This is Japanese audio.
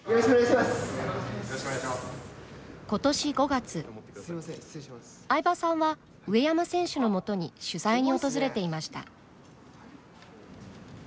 ことし５月相葉さんは上山選手のもとに取材に訪れていました。